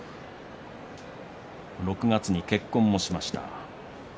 ６月に結婚もしました。